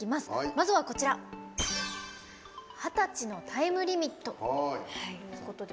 まずは「二十歳のタイムリミット」。